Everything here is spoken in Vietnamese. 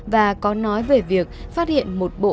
và có nói về việc phát hiện một bộ